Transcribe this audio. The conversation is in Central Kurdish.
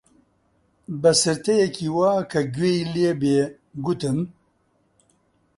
بە سرتەیەکی وا کە گوێی لێ بێ گوتم: